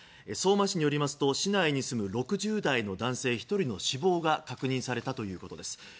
相馬市によりますと市内に住む６０代の男性１人の死亡が確認されたということです。